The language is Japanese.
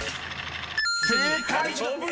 ［正解！］